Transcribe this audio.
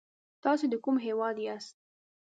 تاسې د کوم هيواد ياست؟